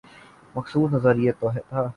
مخصوص نظریہ تو تھا۔